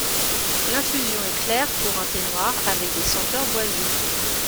L'infusion est claire pour un thé noir, avec des senteurs boisées.